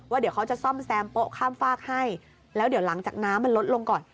เดี๋ยวเขาจะซ่อมแซมโป๊ะข้ามฝากให้แล้วเดี๋ยวหลังจากน้ำมันลดลงก่อน